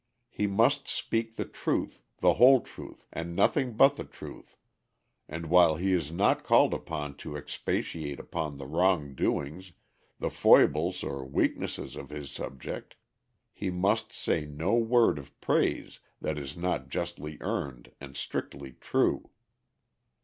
He must speak the truth, the whole truth, and nothing but the truth, and while he is not called upon to expatiate upon the wrong doings, the foibles or weaknesses of his subject, he must say no word of praise that is not justly earned and strictly true.